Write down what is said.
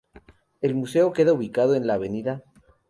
El museo queda ubicado en la Av.